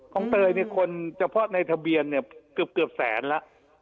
เตยเนี่ยคนเฉพาะในทะเบียนเนี่ยเกือบแสนแล้ว